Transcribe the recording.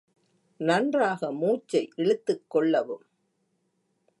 நன்றாக மூச்சை இழுத்துக் கொள்ளவும்.